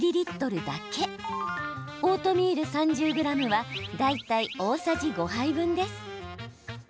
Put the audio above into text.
オートミール３０ｇは大体大さじ５杯分です。